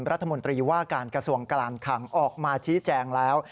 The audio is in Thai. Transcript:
รัฐมนตรีว่าการกระทรวงการคังออกมาชี้แจงแล้ว